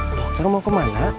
bu dokter mau kemana